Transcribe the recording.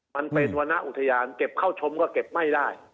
มันเป็นวรรณอุทยานเก็บเข้าชมก็เก็บไม่ได้